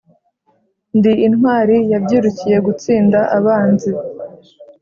Ndi intwari yabyirukiye gutsinda abanzi